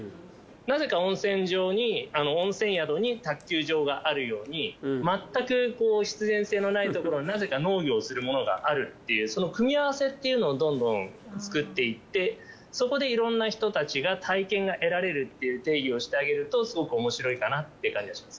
なぜか温泉場に温泉宿に卓球場があるようにまったく必然性のないところになぜか農業をするものがあるっていうその組み合わせっていうのをどんどん作っていってそこでいろんな人たちが体験が得られるっていう定義をしてあげるとすごくおもしろいかなっていう感じがします。